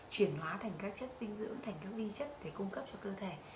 chuyển hóa thành các chất dinh dưỡng thành các vi chất để cung cấp cho cơ thể